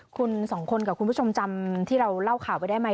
คุณสองคนกับคุณผู้ชมจำที่เราเล่าข่าวไปได้ไหม